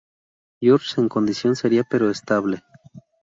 George en condición seria pero estable.